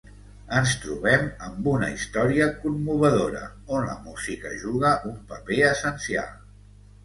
Ens trobem amb una història commovedora, on la música juga un paper essencial.